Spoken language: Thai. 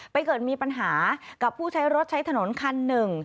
เกิดมีปัญหากับผู้ใช้รถใช้ถนนคันหนึ่ง